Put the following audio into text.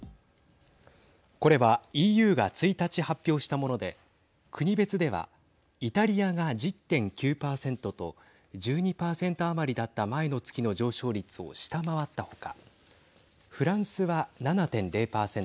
これはＥＵが１日発表したもので国別ではイタリアが１０．９％と１２％余りだった前の月の上昇率を下回った他フランスは７．０％